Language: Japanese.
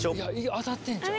当たってんちゃう？